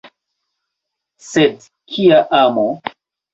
Sed kia amo?